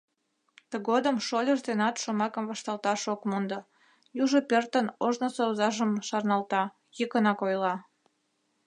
Тыгодым шольыж денат шомакым вашталташ ок мондо, южо пӧртын ожнысо озажым шарналта, йӱкынак ойла: